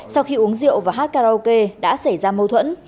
sau khi uống rượu và hát karaoke đã xảy ra mâu thuẫn